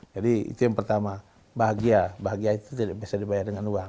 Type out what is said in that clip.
jadi itu yang pertama bahagia bahagia itu tidak bisa dibayar dengan uang